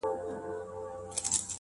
چي کاسيګين وايي زه وخت نه لرم